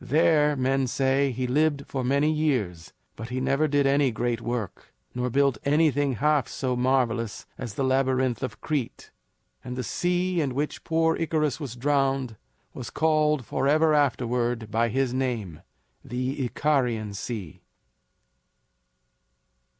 There, men say, he lived for many years, but he never did any great work, nor built anything half so marvelous as the Labyrinth of Crete. And the sea in which poor Icarus was drowned was called forever afterward by his name, the Icarian Sea.